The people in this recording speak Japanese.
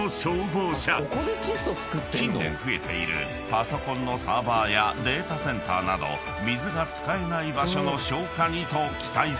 ［近年増えているパソコンのサーバーやデータセンターなど水が使えない場所の消火にと期待され］